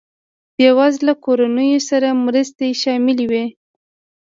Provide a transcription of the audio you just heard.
بېوزله کورنیو سره مرستې شاملې وې.